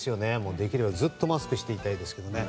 できればずっとマスクしていたいですけども。